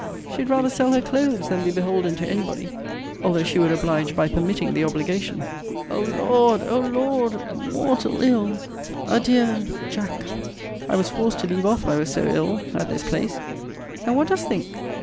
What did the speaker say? She'd rather sell her clothes than be beholden to any body, although she would oblige by permitting the obligation. O Lord! O Lord! Mortal ill! Adieu, Jack! I was forced to leave off, I was so ill, at this place. And what dost think!